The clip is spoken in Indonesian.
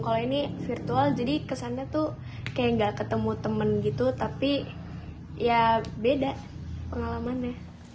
kalau ini virtual jadi kesannya tuh kayak gak ketemu temen gitu tapi ya beda pengalamannya